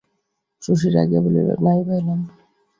শশী রাগিয়া বলিল, নাই বা এলাম!